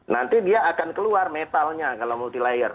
nanti dia akan keluar metalnya kalau multi layer